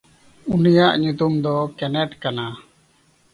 ᱩᱱᱤᱭᱟᱜ ᱧᱩᱛᱩᱢ ᱫᱚ ᱠᱮᱱᱮᱱᱴᱷ ᱠᱟᱱᱟ᱾